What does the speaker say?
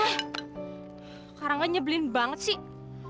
eh sekarangnya nyebelin banget sih